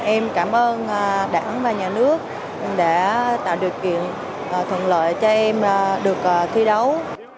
em cảm ơn đảng và nhà nước đã tạo được kiện thuận lợi cho em được thi đấu